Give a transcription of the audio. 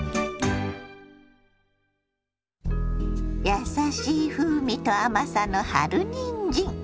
やさしい風味と甘さの春にんじん。